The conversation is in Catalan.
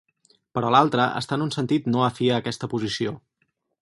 Però l’altre està en un sentit no afí a aquesta posició.